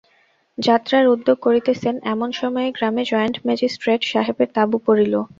যাত্রার উদ্যোগ করিতেছেন এমন সময়ে গ্রামে জয়েন্ট ম্যাজিস্ট্রেট সাহেবের তাঁবু পড়িল।